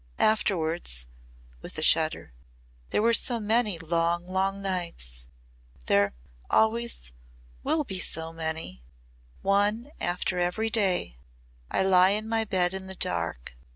Afterwards " with a shudder, "there were so many long, long nights. There always will be so many. One after every day. I lie in my bed in the dark.